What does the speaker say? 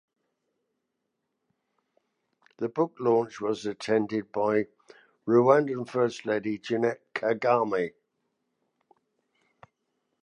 The book launch was attended by Rwandan First Lady Jeannette Kagame.